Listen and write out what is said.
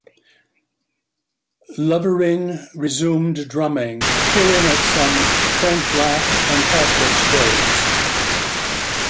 Lovering resumed drumming, appearing at some Frank Black and the Catholics shows.